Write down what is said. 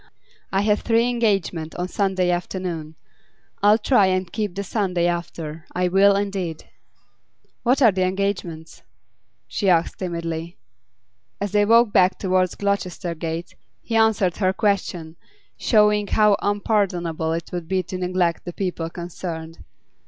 I have three engagements on Sunday afternoon. I'll try and keep the Sunday after; I will indeed.' 'What are the engagements?' she asked timidly. As they walked back towards Gloucester Gate, he answered her question, showing how unpardonable it would be to neglect the people concerned.